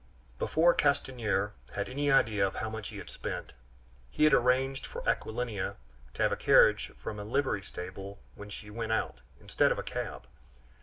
Before Castanier had any idea of how much he had spent, he had arranged for Aquilina to have a carriage from a livery stable when she went out, instead of a cab.